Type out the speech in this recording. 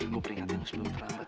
gue peringatan lu sebelum terlambat